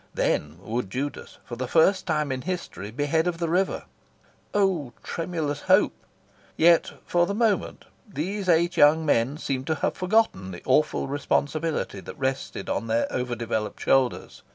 Then would Judas, for the first time in history, be head of the river. Oh tremulous hope! Yet, for the moment, these eight young men seemed to have forgotten the awful responsibility that rested on their over developed shoulders.